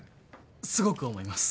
すごく思います。